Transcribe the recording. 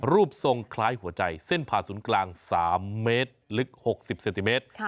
รูปทรงคล้ายหัวใจเส้นผ่าศูนย์กลาง๓เมตรลึก๖๐เซนติเมตร